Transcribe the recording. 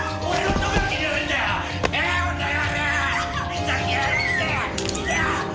ふざけやがって！